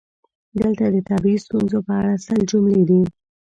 دلته د طبیعي ستونزو په اړه سل جملې دي: